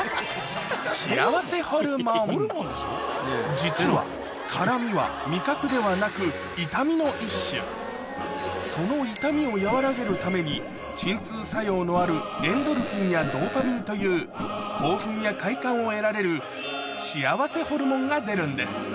実は辛みは味覚ではなく痛みの一種その痛みを和らげるために鎮痛作用のあるエンドルフィンやドーパミンという興奮や快感を得られる幸せホルモンが出るんです